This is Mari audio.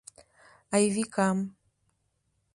— Айвикам.